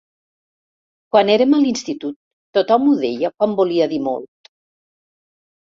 Quan érem a l'institut tothom ho deia quan volia dir molt.